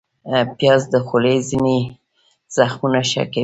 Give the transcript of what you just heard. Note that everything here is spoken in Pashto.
پیاز د خولې ځینې زخمونه ښه کوي